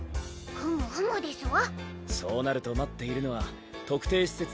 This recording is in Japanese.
ふむふむですわ。